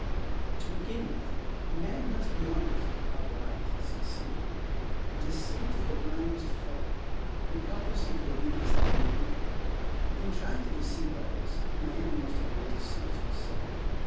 To begin with, a man must be honest, upright, sincere. Deceit is the blindest folly. Hypocrisy is the weakest thing on earth. In trying to deceive others, a man most of all deceives himself.